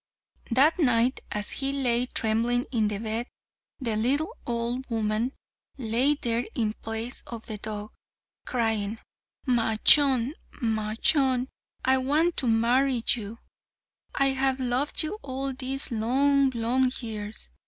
That night as he lay trembling in bed the little old woman lay there in place of the dog, crying "Majnun, Majnun, I want to marry you. I have loved you all these long, long years.